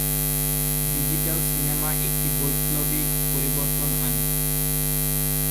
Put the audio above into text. Digital cinema একটি বৈপ্লবিক পরিবর্তন আনে।